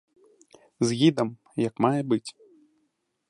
З гідам, як мае быць.